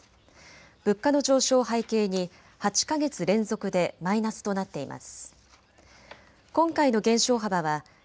物価の上昇を背景に８か月連続でマイナスとなっています。